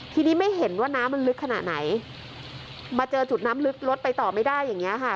ทีนี้ไม่เห็นว่าน้ำมันลึกขนาดไหนมาเจอจุดน้ำลึกรถไปต่อไม่ได้อย่างเงี้ค่ะ